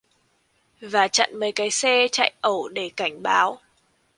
Và chặn mấy cái xe chạy ẩu để cảnh báo